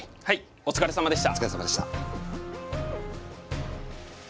お疲れさまでした。